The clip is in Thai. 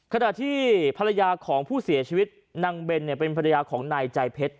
ขณะที่ภรรยาของผู้เสียชีวิตนางเบนเป็นภรรยาของนายใจเพชร